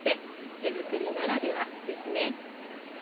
手作りならではですね。